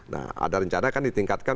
nah ada rencana kan ditingkatkan